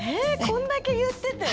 こんだけ言ってて？